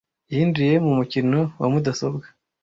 Yinjiye mu mukino wa mudasobwa.